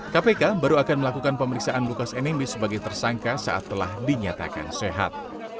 kpk baru akan melakukan pemeriksaan lukas nmb sebagai tersangka saat telah dinyatakan sehat